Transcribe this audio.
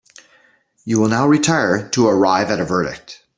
You will now retire to arrive at a verdict.